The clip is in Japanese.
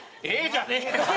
じゃねえよ！